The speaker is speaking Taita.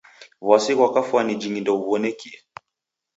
W'asi ghwa kafwani jingi ndeghuw'onekie.